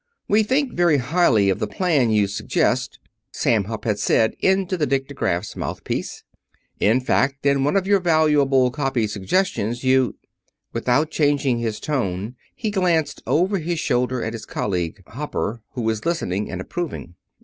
"We think very highly of the plan you suggest," Sam Hupp had said into the dictagraph's mouthpiece. "In fact, in one of your valuable copy suggestions you " Without changing his tone he glanced over his shoulder at his colleague, Hopper, who was listening and approving.